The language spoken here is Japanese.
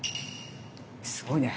すごいね。